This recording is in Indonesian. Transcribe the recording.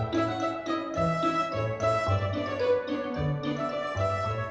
mas aku mau pamer